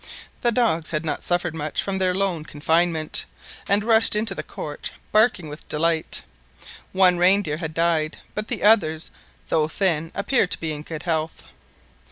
The dogs had not suffered much from their lone, confinement, and rushed into the court barking with delight. One reindeer had died, but the others, though thin, appeared to be in good health.